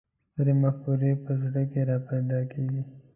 سترې مفکورې په زړه کې را پیدا کېږي.